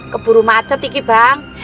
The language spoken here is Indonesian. keburu macet ini bang